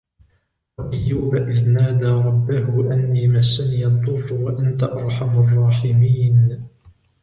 وأيوب إذ نادى ربه أني مسني الضر وأنت أرحم الراحمين